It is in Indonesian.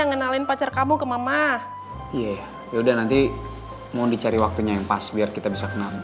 ngenalin pacar kamu ke mama iya yaudah nanti mau dicari waktunya yang pas biar kita bisa kenal